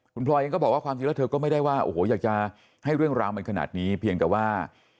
คุณพลอยเองก็บอกว่าความจริงแล้วเธอก็ไม่ได้ว่าโอ้โหอยากจะให้เรื่องราวมันขนาดนี้เพียงแต่ว่า